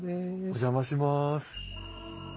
お邪魔します。